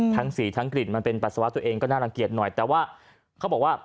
สีทั้งกลิ่นมันเป็นปัสสาวะตัวเองก็น่ารังเกียจหน่อยแต่ว่าเขาบอกว่า